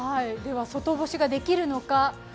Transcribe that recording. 外干しができるのか。